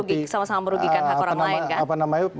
iya sama saja seperti